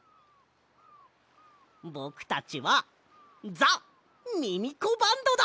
ぼくたちはザ・ミミコバンドだ！